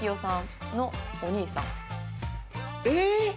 えっ！